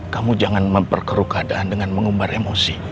kamu jangan memperkeru keadaan dengan mengumbar emosi